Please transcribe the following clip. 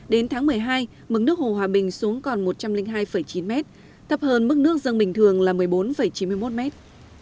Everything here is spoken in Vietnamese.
đến tháng một mươi hai mực nước hồ hòa bình xuống còn một trăm linh hai chín mét thấp hơn mức nước dân bình thường là một mươi bốn chín mươi một mét